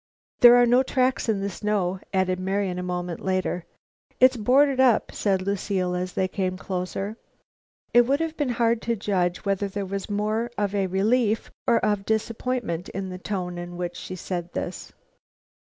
"There are no tracks in the snow," added Marian, a moment later. "It's boarded up," said Lucile, as they came closer. It would have been hard to judge whether there was more of relief or of disappointment in the tone in which she said this.